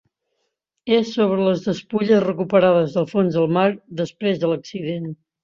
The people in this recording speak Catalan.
És sobre les despulles recuperades del fons del mar després de l'accident.